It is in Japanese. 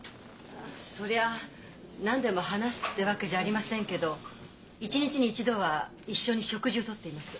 そりゃ何でも話すってわけじゃありませんけど一日に一度は一緒に食事をとっています。